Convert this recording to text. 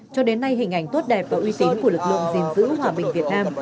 cho đến nay hình ảnh tốt đẹp và uy tín của lực lượng gìn giữ hòa bình việt nam